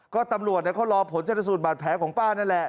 ก็ตำรวจเขารอผลชนสูตรบาดแผลของป้านั่นแหละ